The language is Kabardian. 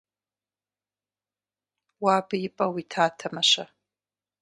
Уэ абы и пӀэ уитатэмэ-щэ?